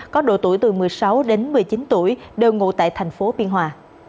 có độ tuổi từ một mươi sáu đến một mươi chín tuổi đều ngụ tại thành phố biên hòa